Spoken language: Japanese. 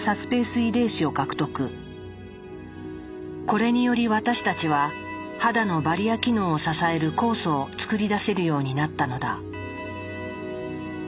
これにより私たちは肌のバリア機能を支える酵素を作り出せるようになったのだ。